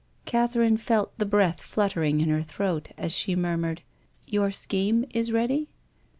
Catherine felt tlie breath fluttering in her throat as she murmured, "Your scheme is ready